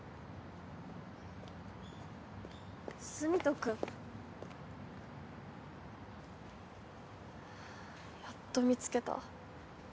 澄人くん。やっと見つけた。